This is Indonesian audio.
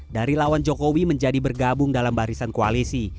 dari lawan jokowi menjadi bergabung dalam barisan koalisi